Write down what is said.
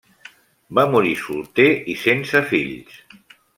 Va morir solter i sense fills.